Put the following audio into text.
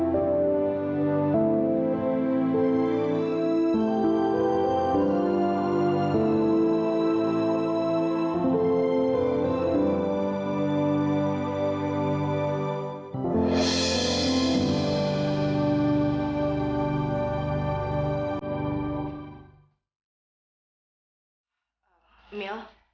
bagaimana dengan kamu